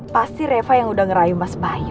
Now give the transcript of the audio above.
pasti reva yang udah ngerayu mas bayu